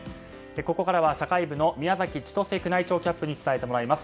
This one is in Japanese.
ここからは社会部の宮崎千歳宮内庁キャップに伝えてもらいます。